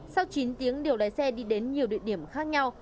sau chín tiếng điều lái xe đi đến nhiều địa điểm khác nhau